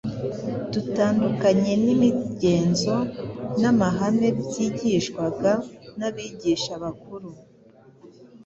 dutandukanye n’imigenzo n’amahame byigishwaga n’abigisha bakuru,